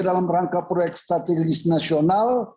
dalam rangka proyek strategis nasional